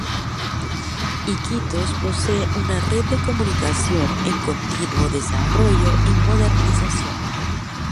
Iquitos posee una red de comunicación en continuo desarrollo y modernización.